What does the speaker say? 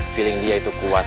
feeling dia itu kuat